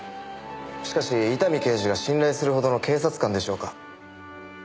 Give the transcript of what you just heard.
しかし伊丹刑事が信頼するほどの警察官でしょうか？